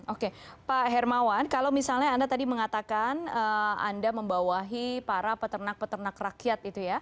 oke pak hermawan kalau misalnya anda tadi mengatakan anda membawahi para peternak peternak rakyat itu ya